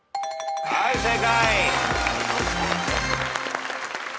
はい正解。